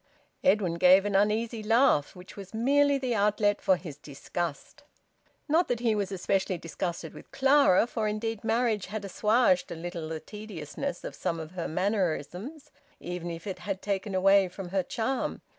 Edwin gave an uneasy laugh, which was merely the outlet for his disgust. Not that he was specially disgusted with Clara, for indeed marriage had assuaged a little the tediousness of some of her mannerisms, even if it had taken away from her charm.